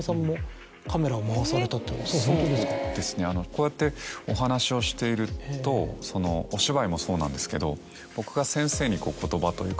こうやってお話をしているとお芝居もそうなんですけど。